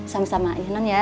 sama sama ya non ya